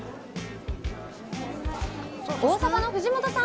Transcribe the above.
大阪の藤本さん